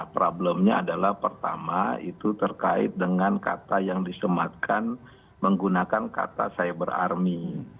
problemnya adalah pertama itu terkait dengan kata yang disematkan menggunakan kata cyber army